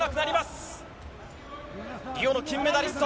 リオの金メダリスト。